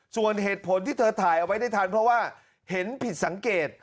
ส่วนเหตุผลที่เธอถ่ายเอาไว้ได้ทันเพราะว่าเห็นผิดสังเกต